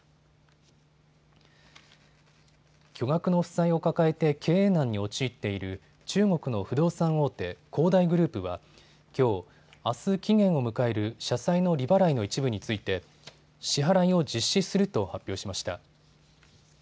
巨額の負債を抱えて経営難に陥っている中国の不動産大手、恒大グループはきょう、あす期限を迎える社債の利払いの一部について支払いを実施すると発表しました。